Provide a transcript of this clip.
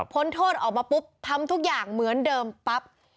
โทษออกมาปุ๊บทำทุกอย่างเหมือนเดิมปั๊บ